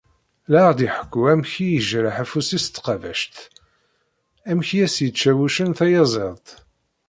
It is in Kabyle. La aɣ-d-iḥekku amek i yejreḥ afus-is s tqabact, amek i as-yečča wuccen tayaziḍt.